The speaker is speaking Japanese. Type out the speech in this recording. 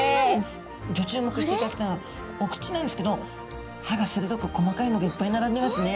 ギョ注目していただきたいのはお口なんですけど歯がするどく細かいのがいっぱい並んでますね。